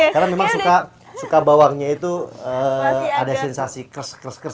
karena memang suka bawangnya itu ada sensasi kers kers kers